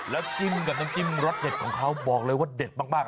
แล้วจิ้มกับน้ำจิ้มรสเด็ดของเขาบอกเลยว่าเด็ดมาก